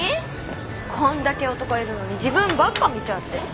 こんだけ男いるのに自分ばっか見ちゃって。